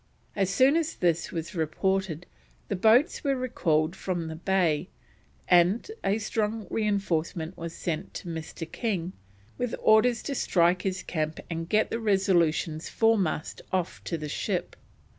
As soon as this was reported, the boats were recalled from the bay, and a strong reinforcement was sent to Mr. King with orders to strike his camp and get the Resolution's foremast off to the ship.